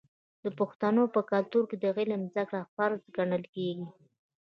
د پښتنو په کلتور کې د علم زده کړه فرض ګڼل کیږي.